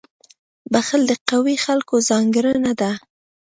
• بخښل د قوي خلکو ځانګړنه ده.